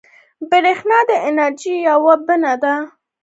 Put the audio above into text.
بریښنا د انرژۍ یوه بڼه ده